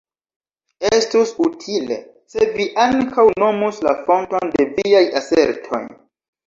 Estus utile, se vi ankaŭ nomus la fonton de viaj asertoj.